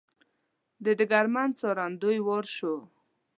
د ډګرمن ځونډي وار شو.